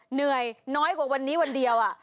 เหนื่อยน้อยกว่าวันนี้วันเดียว